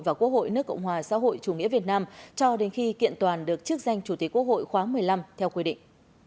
và quốc hội nước cộng hòa xã hội chủ nghĩa việt nam cho đến khi kiện toàn được chức danh chủ tịch quốc hội khóa một mươi năm theo quy định